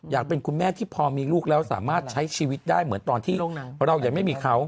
คุณแม่ที่พอมีลูกแล้วสามารถใช้ชีวิตได้เหมือนตอนที่เรายังไม่มีเขา